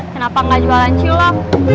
kenapa gak jualan cilok